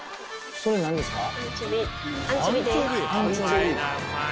それ何ですか？